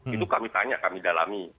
itu kami tanya kami dalami